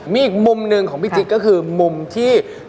มีอีกมุมหนึ่งของพี่จิ๊กก็คือมุมที่